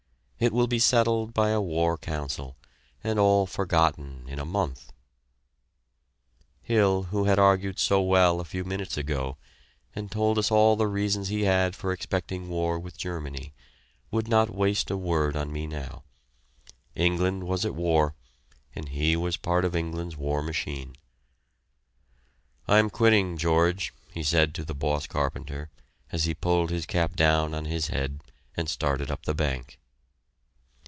It will be settled by a war council and all forgotten in a month." Hill, who had argued so well a few minutes ago and told us all the reasons he had for expecting war with Germany, would not waste a word on me now. England was at war and he was part of England's war machine. "I am quitting, George," he said to the boss carpenter, as he pulled his cap down on his head and started up the bank.